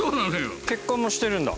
結婚もしてるんだ？